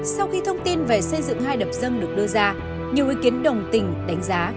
sau khi thông tin về xây dựng hai đập dân được đưa ra nhiều ý kiến đồng tình đánh giá